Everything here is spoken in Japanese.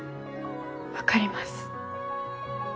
分かります。